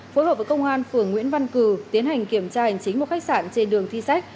phối hợp với công an phường nguyễn văn cử tiến hành kiểm tra hành chính một khách sạn trên đường thi sách